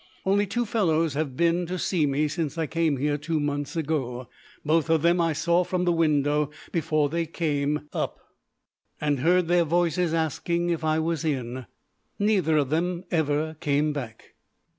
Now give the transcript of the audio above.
Only two fellows have been to see me since I came here two months ago. Both of them I saw from the window before they came tip, and heard their voices asking if I was in. Neither of them ever came back.